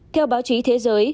theo báo chí thế giới